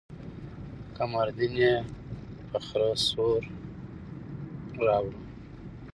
قمرالدين يې په خره سور راوړو.